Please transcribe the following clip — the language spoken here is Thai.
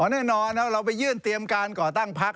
แน่นอนเราไปยื่นเตรียมการก่อตั้งพัก